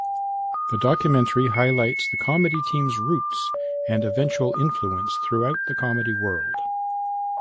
The documentary highlights the comedy teams roots and eventual influence throughout the comedy world.